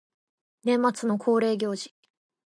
年末の恒例行事